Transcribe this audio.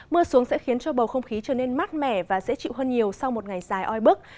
mưa xuống sẽ khiến cho bầu không khí trở nên mát mẻ và dễ chịu hơn nhiều sau một ngày dài oi bức